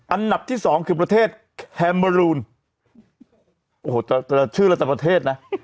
อันดับที่สองคือประเทศแครมอรูน